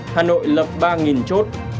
hà nội lập ba chốt